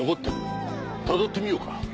たどってみようか。